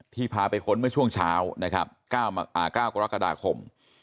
พาไปค้นเมื่อช่วงเช้านะครับ๙กรกฎาคม